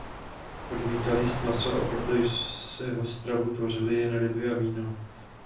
Odmítal jíst maso a proto jeho stravu tvořily jen ryby a víno.